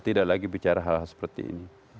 tidak lagi bicara hal hal seperti ini